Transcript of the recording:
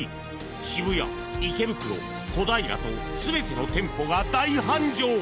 渋谷、池袋、小平と全ての店舗が大繁盛。